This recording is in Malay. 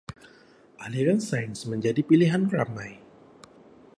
Aliran Sains menjadi pilihan ramai.